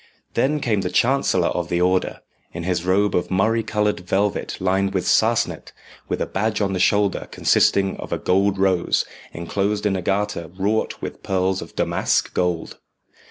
Then came the chancellor of the Order, in his robe of murrey coloured velvet lined with sarcenet, with a badge on the shoulder consisting of a gold rose, enclosed in a garter wrought with pearls of damask gold.